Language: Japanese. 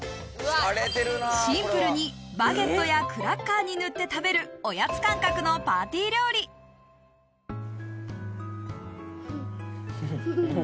シンプルにバゲットやクラッカーに塗って食べるおやつ感覚のパーティー料理フフフ！